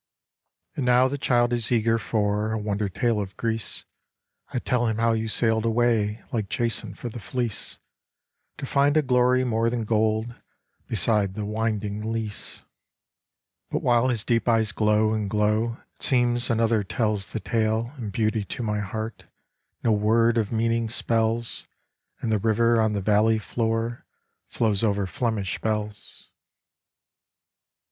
And now the child is eager for A wonder tale of Greece, I tell him how you sailed away Like Jason for the Fleece, To find a glory more than gold Beside the winding Lys. 10 To a Soldier in France But while his deep eyes glow and glow, It seems another tells The tale : and beauty to my heart No word of meaning spells ; And the river on the valley floor Flows over Flemish bells.